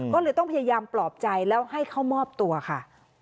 ก็เลยต้องพยายามปลอบใจแล้วให้เข้ามอบตัวค่ะ